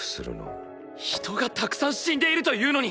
人がたくさん死んでいるというのに！